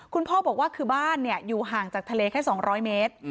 คุณพ่อบอกว่าคือบ้านอยู่ห่างจากทะเลแค่๒๐๐เมตร